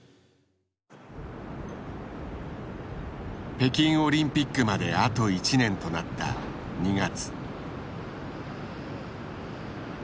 北京オリンピックまであと１年となった２月。